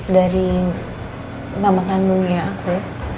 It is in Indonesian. dari nama kanunnya aku